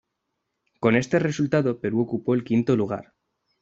Con este resultado Perú ocupó el quinto lugar.